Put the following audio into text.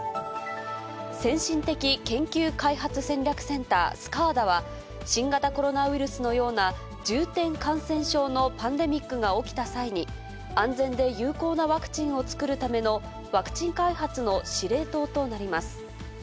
先進的研究開発戦略センター・スカーダは、新型コロナウイルスのような重点感染症のパンデミックが起きた際に、安全で有効なワクチンを作るためのワクチン開発の司令塔となります。